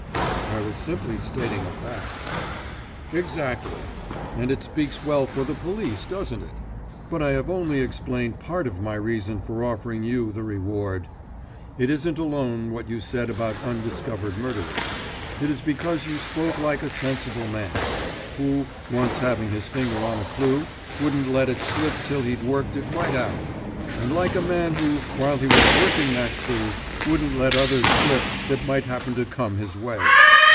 "I was simply stating a fact." "Exactly; and it speaks well for the police, doesn't it? But I have only explained part of my reason for offering you the reward. It isn't alone what you said about undiscovered murderers, it is because you spoke like a sensible man, who, once having his finger on a clue, wouldn't let it slip till he'd worked it right out; and like a man who, while he was working that clue, wouldn't let others slip that might happen to come in his way.